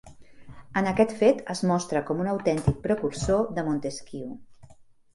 En aquest fet, es mostra com un autèntic precursor de Montesquieu.